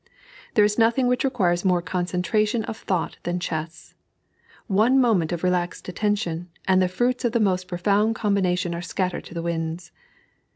There is nothing which requires more concentration of thought than chess. One moment of relaxed attention, and the fruits of the most profound combination are scattered to the winds.